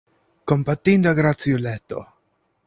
Kompatinda graciuleto!